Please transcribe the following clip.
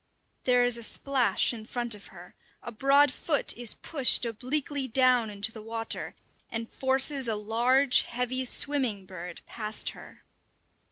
There is a splash in front of her, a broad foot is pushed obliquely down into the water and forces a large, heavy "swimming bird" past her.